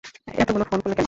এতোগুলো ফোন করলে কেন?